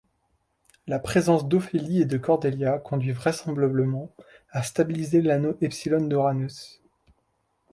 La présence d'Ophélie et de Cordélia conduit vraisemblablement à stabiliser l'anneau epsilon d'Uranus.